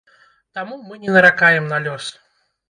Таму мы не наракаем на лёс.